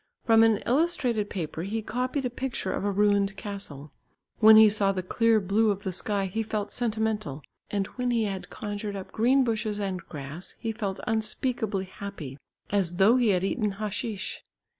From an illustrated paper he copied a picture of a ruined castle. When he saw the clear blue of the sky he felt sentimental, and when he had conjured up green bushes and grass he felt unspeakably happy as though he had eaten haschish.